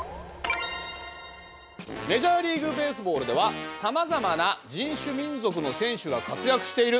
「メジャーリーグベースボールではさまざまな人種・民族の選手が活躍している。